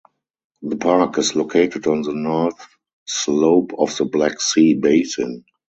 The park is located on the north slope of the Black Sea Basin.